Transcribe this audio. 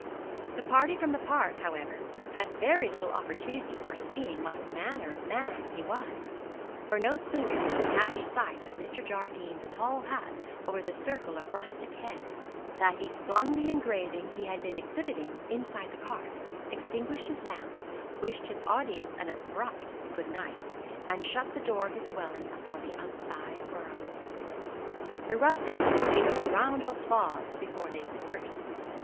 The party from the park, however, had very little opportunity for seeing what manner of man he was; for no sooner did he catch sight of Mr. Jardine's tail hat over the circle of rustic heads, than he flung the engraving he had been exhibiting inside the cart, extinguished his lamp, wished his audience an abrupt good night, and shut the door of his dwelling upon the outside world. The rustics gave him a round of applause before they dispersed.